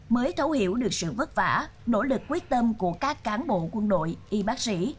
mới thấu hiểu được sự vất vả nỗ lực quyết tâm của các cán bộ quân đội y bác sĩ